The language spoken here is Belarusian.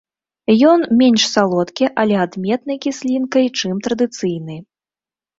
Ён менш салодкі, але адметнай кіслінкай, чым традыцыйны.